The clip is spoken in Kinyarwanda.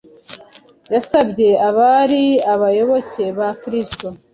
Yasabye abari abayoboke ba Kristo